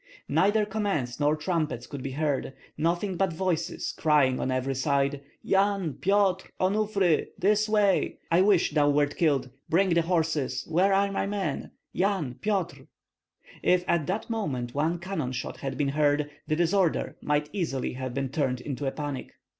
Neither commands nor trumpets could be heard; nothing but voices crying on every side: "Yan! Pyotr! Onufri! This way! I wish thou wert killed! Bring the horses! Where are my men? Yan! Pyotr!" If at that moment one cannon shot had been heard, the disorder might easily have been turned to a panic.